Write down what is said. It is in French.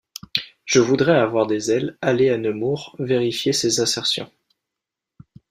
Je voudrais avoir des ailes, aller à Nemours vérifier ses assertions.